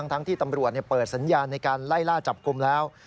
ทั้งที่ตำรวจเปิดสัญญาณในการไล่ล่าจับกลุ่มแล้ว